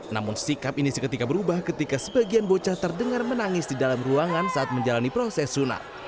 namun sikap ini seketika berubah ketika sebagian bocah terdengar menangis di dalam ruangan saat menjalani proses sunat